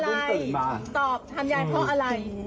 ยายตอบทำยายเพราะอะไร